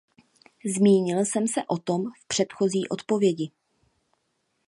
Zmínil jsem se o tom v předchozí odpovědi.